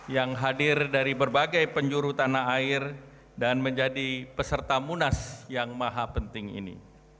yang hadir dari berbagai penjuru tanah air dan menjadi peserta munas yang maha penting ini